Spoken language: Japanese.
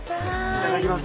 いただきます。